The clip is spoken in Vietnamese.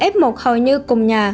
f một hầu như cùng nhà